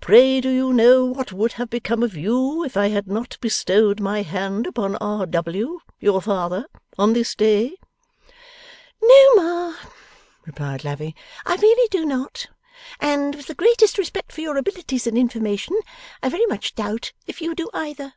Pray do you know what would have become of you, if I had not bestowed my hand upon R. W., your father, on this day?' 'No, Ma,' replied Lavvy, 'I really do not; and, with the greatest respect for your abilities and information, I very much doubt if you do either.